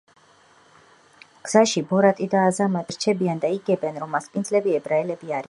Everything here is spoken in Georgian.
გზაში, ბორატი და აზამატი ერთ-ერთი ოჯახის სახლში რჩებიან და იგებენ, რომ მასპინძლები ებრაელები არიან.